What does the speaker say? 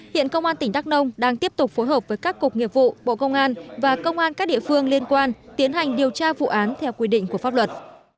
hiện công an tỉnh đắk nông đang tiếp tục phối hợp với các cục nghiệp vụ bộ công an và công an các địa phương liên quan tiến hành điều tra vụ án theo quy định của pháp luật